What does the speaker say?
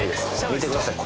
見てください